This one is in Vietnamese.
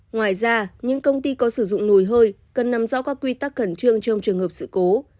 ngoài ra những công ty có sử dụng nồi hơi cần nằm rõ các quy tắc khẩn trương trong trường hợp sự cố